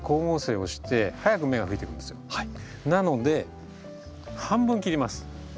なので半分切ります。